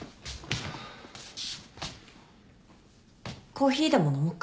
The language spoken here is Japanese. コーヒーでも飲もっか。